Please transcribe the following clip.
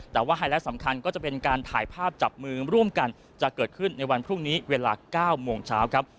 แต่ว่าไฮไลท์สำคัญก็จะเป็นการถ่ายภาพจับมือร่วมกันจะเกิดขึ้นในวันพรุ่งนี้เวลา๙โมงเช้าครับ